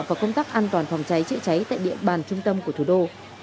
và công tác an toàn phòng cháy chữa cháy tại địa bàn trung tâm của thủ đô